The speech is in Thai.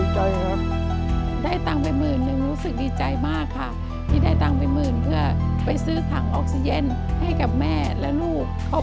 เป็นการมีเผื่อผู้ชีวิตเผื่ออย่างนี้ครับ